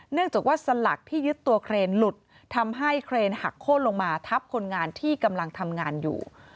เนื่องจากว่าสลักที่ยึดตัวเครนหลุดทำให้เครนหักโค้นลงมาทับคนงานที่กำลังทำงานอยู่